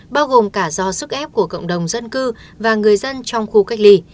bao gồm cả do sức ép của cộng đồng dân cư và người dân trong khu cách ly